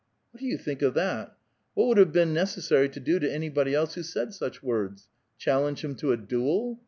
What do you think of that? What would have been nec essary to do to anybody else who said such words ? Chal lenge him to a duel?